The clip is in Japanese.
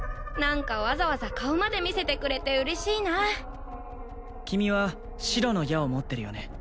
何かわざわざ顔まで見せてくれて嬉しいな君は白の矢を持ってるよね？